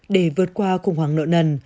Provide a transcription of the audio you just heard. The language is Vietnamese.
để vượt qua khủng hoảng nợ nần